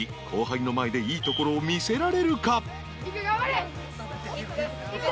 後輩の前でいいところを見せられるか？］